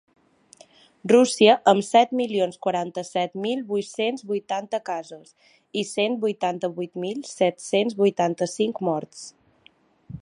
Rússia, amb set milions quaranta-set mil vuit-cents vuitanta casos i cent vuitanta-vuit mil set-cents vuitanta-cinc morts.